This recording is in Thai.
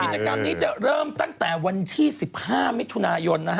กิจกรรมนี้จะเริ่มตั้งแต่วันที่๑๕มิถุนายน